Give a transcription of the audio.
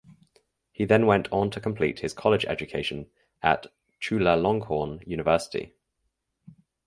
He then went on to complete his college education at Chulalongkorn University.